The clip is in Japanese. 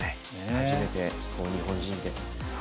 初めて日本人で。